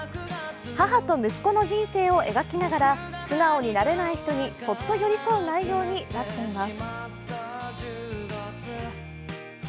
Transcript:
母と息子の人生を描きながら素直になれない人にそっと寄り添う内容になっています。